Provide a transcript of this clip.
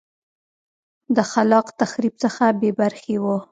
د خلاق تخریب څخه بې برخې وه